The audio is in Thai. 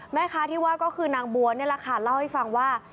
แม่ค้าที่ว่าก็คือนางบัวนี่แหละค่ะเล่าให้ฟังว่า